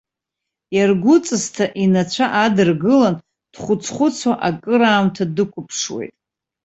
Иаргәҵысҭа инацәа адыргыланы дхәыц-хәыцуа акыраамҭа дықәԥшуеит.